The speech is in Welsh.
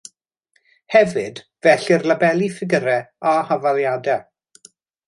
Hefyd fe ellir labelu ffigyrau a hafaliadau